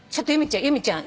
由美ちゃん